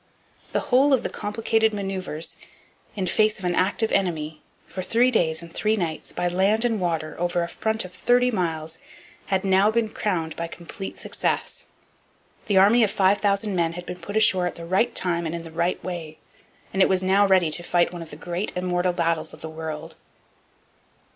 The whole of the complicated manoeuvres, in face of an active enemy, for three days and three nights, by land and water, over a front of thirty miles, had now been crowned by complete success. The army of 5,000 men had been put ashore at the right time and in the right way; and it was now ready to fight one of the great immortal battles of the world.